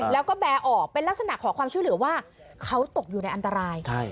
แล้วก็แบร์ออกเป็นลักษณะขอความช่วยเหลือว่าเขาตกอยู่ในอันตราย